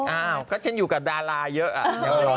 อ้าวก็ฉันอยู่กับดาราเยอะ